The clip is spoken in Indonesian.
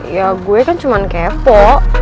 ya gue kan cuma kevo